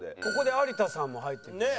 ここで有田さんも入ってくる。